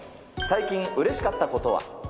最近うれしかったことは？